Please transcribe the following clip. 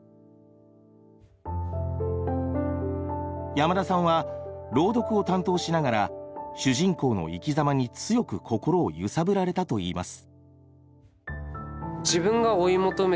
山田さんは朗読を担当しながら主人公の生きざまに強く心をゆさぶられたといいます。